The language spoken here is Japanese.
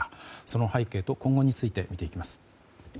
その背景と今後について見ていきます。